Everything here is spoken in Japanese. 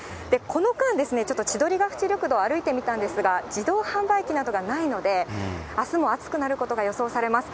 この間、ちょっと千鳥ヶ淵緑道、歩いてみたんですが、自動販売機などがないので、あすも暑くなることが予想されます。